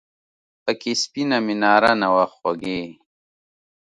پکې سپینه میناره نه وه خوږې !